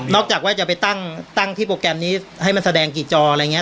นอกจากจะไปตั้งที่ประกันนี้ให้แสดงกี่จออะไรอย่างนี้